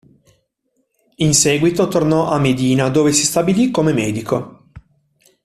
In seguito tornò a Medina dove si stabilì come medico.